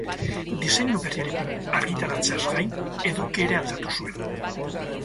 Diseinu berriarekin argitaratzeaz gain, edukia ere aldatu zuen.